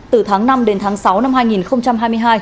từ tháng năm đến tháng sáu năm hai nghìn hai mươi hai